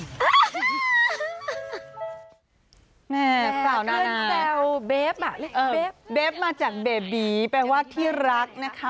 แบบเกิ้ลแซวเบ๊บอ่ะเรียกเบ๊บเบ๊บมาจากเบบีแปลว่าที่รักนะคะ